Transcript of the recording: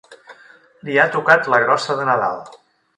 Li ha tocat la grossa de Nadal.